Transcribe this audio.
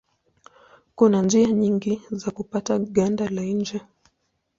Kuna njia nyingi za kupata ganda la nje.